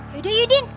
yaudah yuk din